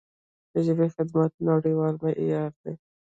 د ژبې خدمت نړیوال معیار دی.